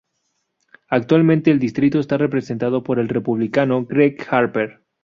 Actualmente el distrito está representado por el Republicano Gregg Harper.